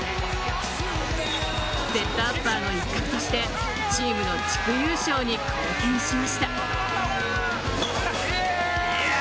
セットアッパーの一角としてチームの地区優勝に貢献しました。